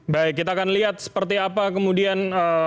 baik kita akan lihat seperti apa kemudian